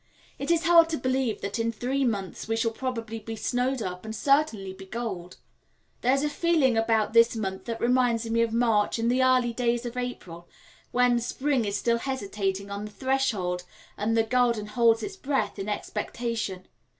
It is hard to believe that in three months we shall probably be snowed up and certainly be cold. There is a feeling about this month that reminds me of March and the early days of April, when spring is still hesitating on the threshold and the garden holds its breath in expectation.